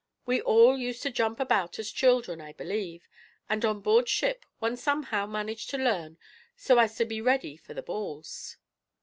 We all used to jump about as children, I believe; and on board ship one somehow managed to learn, so as to be ready for the balls."